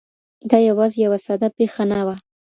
دا یوازې یوه ساده پیښه نه وه.